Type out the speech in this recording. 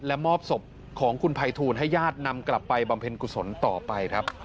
และมอบศพของคุณภัยทูลให้ญาตินำกลับไปบำเพ็ญกุศลต่อไปครับ